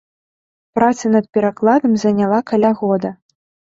Праца над перакладам заняла каля года.